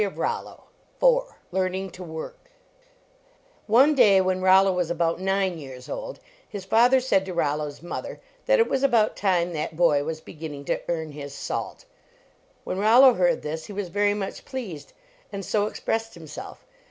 42 ROLLO LEARNING TO WORK IV [NE day when Rollo was about nine years old, his father said to Rollo s moth er that it was about time that boy was beginning to earn his salt. When Rollo heard this, he was very much pleased, and so expressed himself.